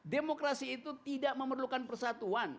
demokrasi itu tidak memerlukan persatuan